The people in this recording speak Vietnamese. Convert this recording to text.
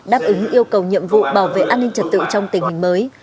đáp ứng yêu cầu nhiệm vụ bảo vệ an ninh trật tự trong tình hình mới